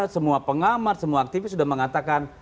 semua pengamat semua aktivis sudah mengatakan